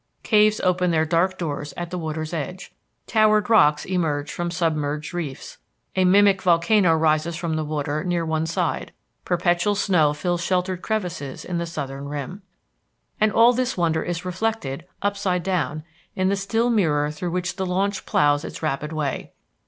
Caves open their dark doors at water's edge. Towered rocks emerge from submerged reefs. A mimic volcano rises from the water near one side. Perpetual snow fills sheltered crevices in the southern rim. And all this wonder is reflected, upside down, in the still mirror through which the launch ploughs its rapid way.